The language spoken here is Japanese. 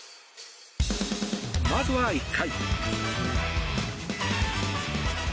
まずは１回。